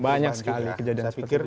banyak sekali kejadian seperti itu